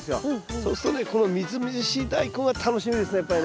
そうするとねこのみずみずしいダイコンが楽しみですねやっぱりね。